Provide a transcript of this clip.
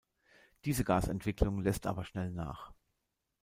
Diese Gasentwicklung lässt aber schnell nach.